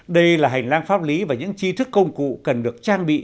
đây là hành lang pháp lý và những chi thức công cụ cần được trang bị